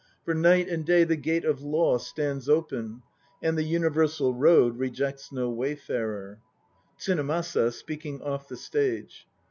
For night and day the Gate of Law Stands open and the Universal Road Rejects no wayfarer. TSUNEMASA (speaking off the stage).